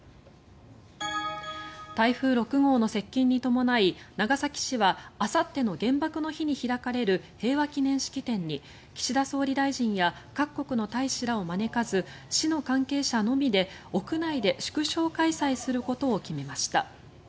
台風６号の接近に伴い長崎市はあさっての原爆の日に開かれる平和祈念式典に岸田総理大臣や各国の大使らを招かず市の関係者のみで屋内で縮小開催することを決めました。